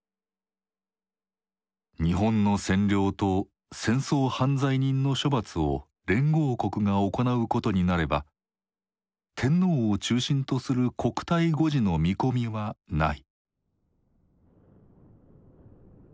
日本の占領と戦争犯罪人の処罰を連合国が行うことになれば天皇を中心とする国体護持の見込みはない。